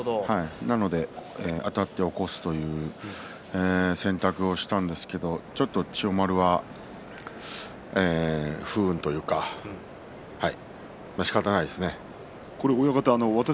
あたって起こすという選択をしたんですけれどもちょっと千代丸は不運というかしかたないですね。